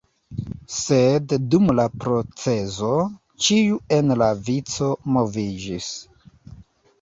Sed dum la procezo, ĉiu en la vico moviĝis.